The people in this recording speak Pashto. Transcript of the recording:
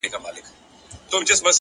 د زړه قوت خنډونه کوچني کوي!